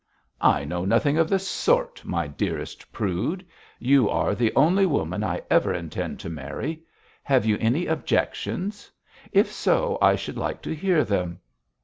'I know nothing of the sort, my dearest prude. You are the only woman I ever intend to marry. Have you any objections? If so, I should like to hear them.'